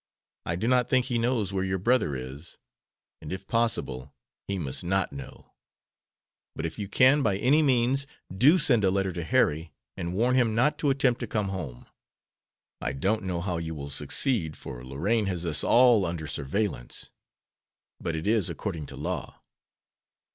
I do not think he knows where your brother is, and, if possible, he must not know. If you can by any means, do send a letter to Harry and warn him not to attempt to come home. I don't know how you will succeed, for Lorraine has us all under surveillance. But it is according to law."